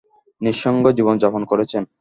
নিঃসঙ্গ জীবনযাপন করেছেন।